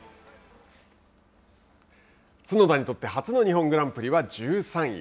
角田にとって初の日本グランプリは１３位。